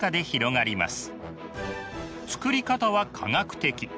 作り方は科学的。